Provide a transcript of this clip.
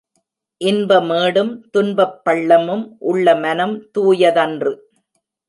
இன்ப மேடும், துன்பப் பள்ளமும் உள்ள மனம் தூயதன்று.